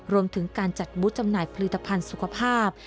รวมถึงการจัดบูธจำหน่ายผลิตภัณฑ์สุขภาพ